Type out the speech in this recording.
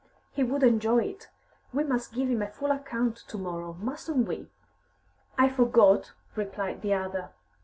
"He would enjoy it. We must give him a full account to morrow, mustn't we?" "I forgot," replied the other.